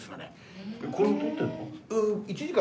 これも録ってるの？